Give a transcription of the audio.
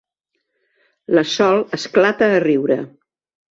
La Sol esclata a riure.